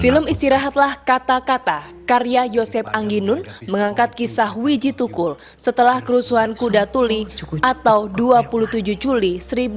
film istirahatlah kata kata karya yosep angginun mengangkat kisah wijitukul setelah kerusuhan kudatuli atau dua puluh tujuh juli seribu sembilan ratus sembilan puluh enam